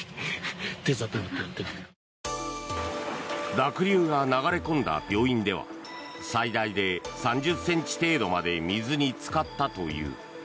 濁流が流れ込んだ病院では最大で３０ｃｍ程度まで水につかったという。